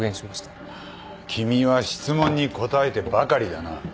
君は質問に答えてばかりだな。